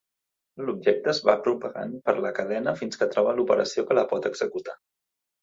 L'objecte es va propagant per la cadena fins que troba l'operació que la pot executar.